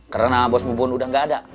karena bos bobon udah gak ada